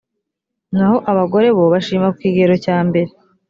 naho abagore bo bashima ku kigero cya mbere